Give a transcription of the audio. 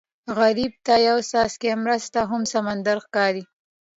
غریب ته یو څاڅکی مرسته هم سمندر ښکاري